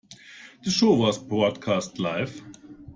The show was broadcast live.